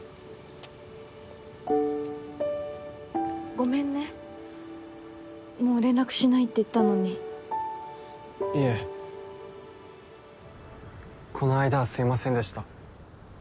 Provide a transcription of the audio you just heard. ごめんねもう連絡しないって言ったのにいえこの間はすいませんでした